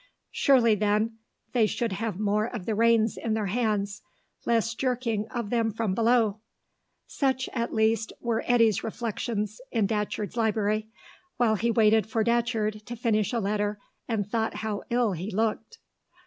Surely, then, they should have more of the reins in their hands, less jerking of them from below.... Such, at least, were Eddy's reflections in Datcherd's library, while he waited for Datcherd to finish a letter and thought how ill he looked.